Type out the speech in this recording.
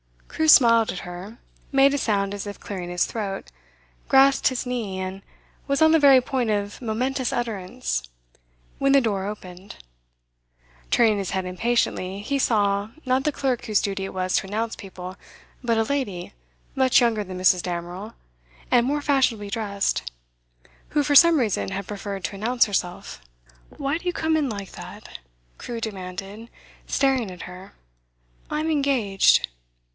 Crewe smiled at her, made a sound as if clearing his throat, grasped his knee, and was on the very point of momentous utterance, when the door opened. Turning his head impatiently, he saw, not the clerk whose duty it was to announce people, but a lady, much younger than Mrs. Damerel, and more fashionably dressed, who for some reason had preferred to announce herself. 'Why do you come in like that?' Crewe demanded, staring at her. 'I'm engaged.